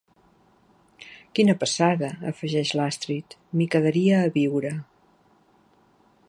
Quina passada! —afegeix l'Astrid— M'hi quedaria a viure.